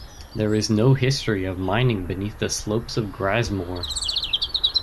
There is no history of mining beneath the slopes of Grasmoor.